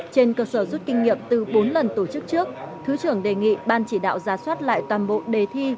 trên cơ sở rút kinh nghiệm từ bốn lần tổ chức trước thứ trưởng đề nghị ban chỉ đạo ra soát lại toàn bộ đề thi